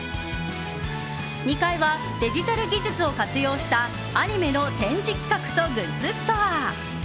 ２階はデジタル技術を活用したアニメの展示企画とグッズストア。